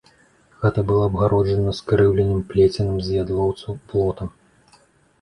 Хата была абгароджана скрыўленым, плеценым з ядлоўцу, плотам.